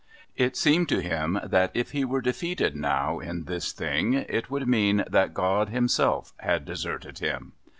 It seemed to him that if he were defeated now in this thing it would mean that God Himself had deserted him.